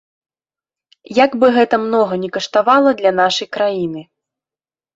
Як бы гэта многа ні каштавала для нашай краіны.